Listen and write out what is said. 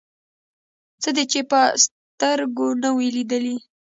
څه دې چې په سترګو نه وي لیدلي.